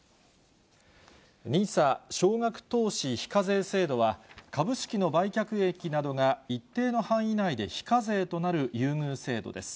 ＮＩＳＡ・少額投資非課税制度は、株式の売却益などが一定の範囲内で非課税となる優遇制度です。